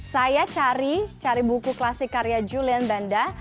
saya cari buku klasik karya julian banda